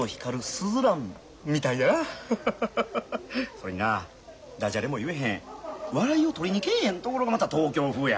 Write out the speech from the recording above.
それになダジャレも言えへん笑いをとりにけえへんところがまた東京風や。